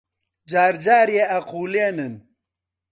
جار جارێ ئەقوولێنن